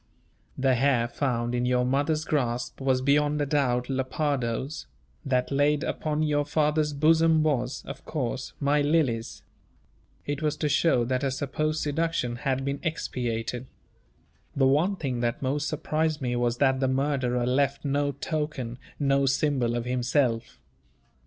The hair found in your mother's grasp was beyond a doubt Lepardo's; that laid upon your father's bosom was, of course, my Lily's. It was to show that her supposed seduction had been expiated. The one thing that most surprised me was that the murderer left no token, no symbol of himself.